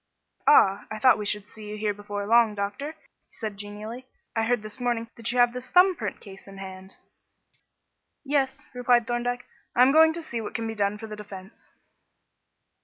"Ah, I thought we should see you here before long, doctor," said he genially. "I heard this morning that you have this thumb print case in hand." "Yes," replied Thorndyke; "I am going to see what can be done for the defence."